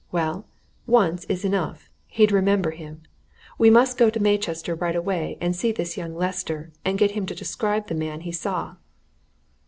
Well, once is enough! he'd remember him. We must go to Maychester right away and see this young Lester, and get him to describe the man he saw."